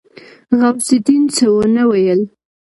غوث الدين څه ونه ويل.